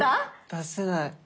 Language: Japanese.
出せない。